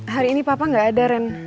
hari ini papa nggak ada rem